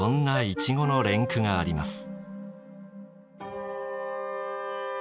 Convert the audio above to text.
イチゴの連句があります。